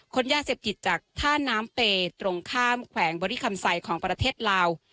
ยาเสพติดจากท่าน้ำเปย์ตรงข้ามแขวงบริคัมไซด์ของประเทศลาว